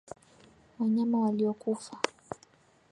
Wanyama waliokufa